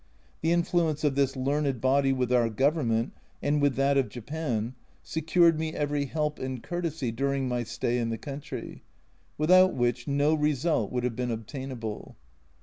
The influence of this learned body with our Government and with that of Japan secured me every help and courtesy during my stay in the country, without which no result would have been obtainable.